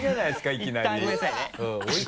いきなり。